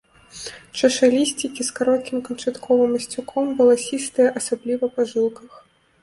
Чашалісцікі з кароткім канчатковым асцюком, валасістыя, асабліва па жылках.